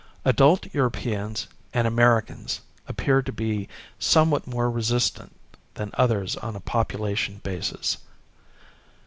Adult Europeans and Americans appear to be somewhat more resistant than others on a population basis.